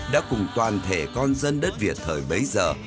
đã cùng toàn thể con dân đất việt thời bấy giờ